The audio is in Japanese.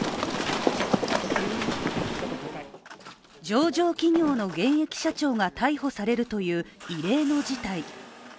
上場企業の現役社長が逮捕されるという異例の事態。